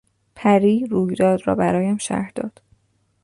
پری رویداد را برایم شرح داد.